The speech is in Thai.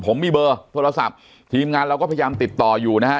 ผมมีเบอร์โทรศัพท์ทีมงานเราก็พยายามติดต่ออยู่นะฮะ